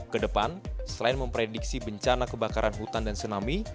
kedepan selain memprediksi bencana kebakaran hutan dan tsunami